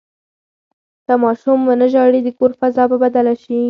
که ماشوم ونه ژاړي، د کور فضا به بدله شي.